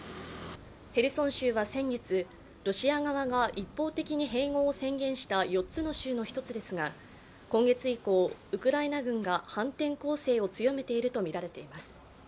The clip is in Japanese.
ヘルソン州は先月、ロシア側が一方的に併合を宣言した４つの州の一つですが今月以降、ウクライナ軍が反転攻勢を強めているとみられています。